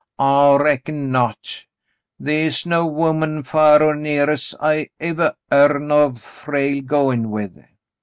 *'I reckon not. The' is no woman far or near as I evah heern o' Frale goin' with."